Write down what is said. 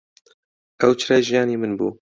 ئەو چرای ژیانی من بوو.